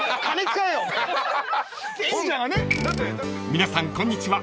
［皆さんこんにちは